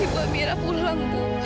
ibu amira pulang bu